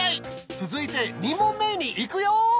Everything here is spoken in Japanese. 続いて２問目に行くよ！